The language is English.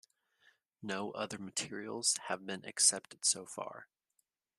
No other materials have been accepted so far.